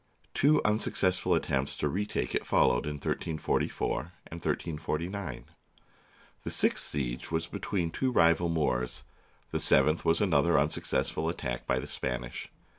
Two unsuccessful attempts to retake it followed in 1344 and 1349. The sixth siege was between two rival Moors ; the seventh was another unsuccessful attack by the Spanish.